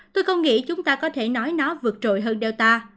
tôi không nghĩ chúng ta có thể nói nó vượt trội hơn delta